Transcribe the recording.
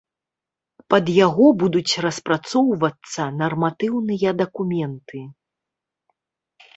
Пад яго будуць распрацоўвацца нарматыўныя дакументы.